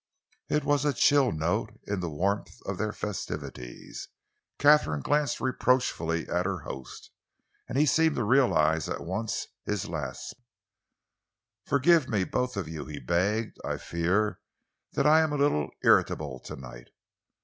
It was a chill note in the warmth of their festivities. Katharine glanced reproachfully at her host, and he seemed to realise at once his lapse. "Forgive me, both of you," he begged. "I fear that I am a little irritable to night.